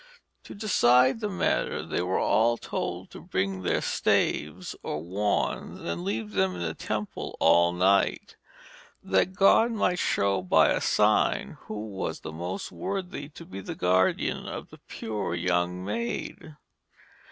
To decide the matter they were all told to bring their staves or wands and leave them in the temple all night, that God might show by a sign who was the most worthy to be the guardian of the pure young maid.